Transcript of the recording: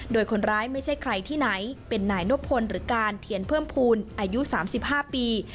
โดยคนร้ายไม่ใช่ใครที่ไหนเป็นนายนบพลหรือการเทียนเพิ่มภูมิอายุ๓๕ปี